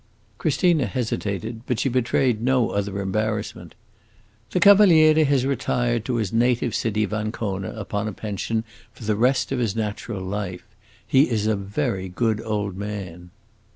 Christina hesitated, but she betrayed no other embarrassment. "The Cavaliere has retired to his native city of Ancona, upon a pension, for the rest of his natural life. He is a very good old man!"